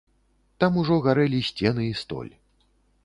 Там ужо гарэлі сцены і столь.